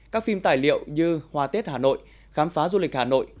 các phim tài liệu như hoa tết hà nội khám phá du lịch hà nội